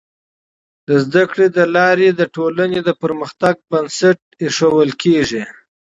د زده کړي له لارې د ټولني د پرمختګ بنسټ ایښودل کيږي.